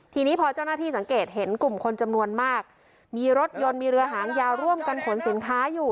ทีนี้พอเจ้าหน้าที่สังเกตเห็นกลุ่มคนจำนวนมากมีรถยนต์มีเรือหางยาวร่วมกันขนสินค้าอยู่